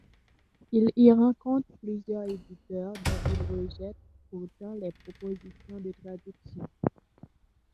Il y rencontre plusieurs éditeurs dont il rejette pourtant les propositions de traductions.